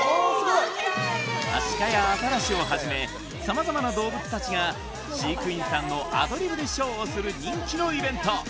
アシカやアザラシをはじめ様々な動物たちが飼育員さんのアドリブでショーをする人気のイベント